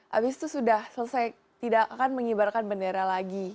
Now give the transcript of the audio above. habis itu sudah selesai tidak akan mengibarkan bendera lagi